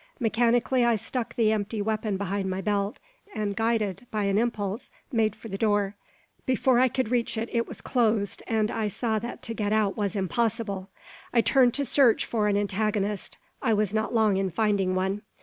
Mechanically I stuck the empty weapon behind my belt, and, guided by an impulse, made for the door. Before I could reach it, it was closed, and I saw that to get out was impossible. I turned to search for an antagonist; I was not long in finding one.